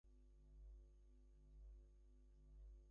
The contract included purchase rights for another aircraft.